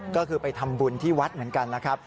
ก็คือไปทำบุญที่วัดเหมือนกันนะครับ